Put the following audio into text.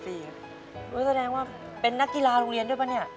แสดงว่าเป็นนักกีฬาโรงเรียนด้วยป่ะเนี่ย